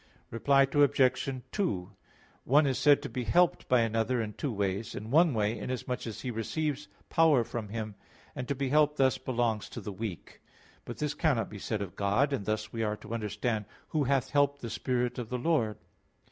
Reply Obj. 2: One is said to be helped by another in two ways; in one way, inasmuch as he receives power from him: and to be helped thus belongs to the weak; but this cannot be said of God, and thus we are to understand, "Who hath helped the Spirit of the Lord?"